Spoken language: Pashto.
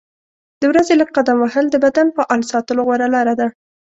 د ورځې لږ قدم وهل د بدن فعال ساتلو غوره لاره ده.